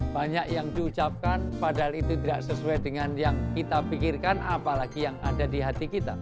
banyak yang diucapkan padahal itu tidak sesuai dengan yang kita pikirkan apalagi yang ada di hati kita